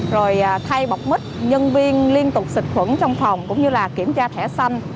rồi thay bọc mít nhân viên liên tục xịt khuẩn trong phòng cũng như là kiểm tra thẻ xanh